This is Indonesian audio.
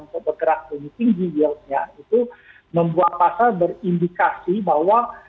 untuk bergerak lebih tinggi yieldnya itu membuat pasar berindikasi bahwa